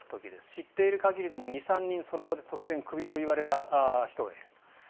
知っている限りでも２３人その場で突然クビと言われた人がいる。